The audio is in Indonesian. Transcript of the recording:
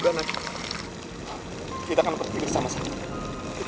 aku janji aku tidak akan melakukan itu